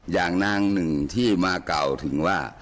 อย่างนางหนึ่งที่มากล่าวถึงว่า